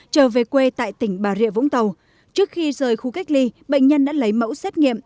trở về quê tại tỉnh bà rịa vũng tàu trước khi rời khu cách ly bệnh nhân đã lấy mẫu xét nghiệm